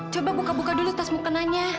coba buka buka dulu tasmu kenanya